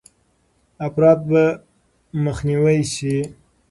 افراط به مخنیوی شي.